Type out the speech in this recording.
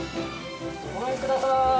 ごめんください。